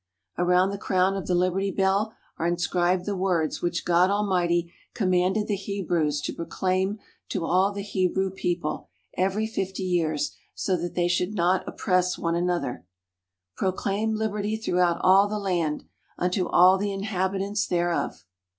Around the crown of the Liberty Bell are inscribed the words which God Almighty commanded the Hebrews to proclaim to all the Hebrew People, every fifty years, so that they should not oppress one another: _Proclaim Liberty throughout all the Land, Unto all the inhabitants thereof.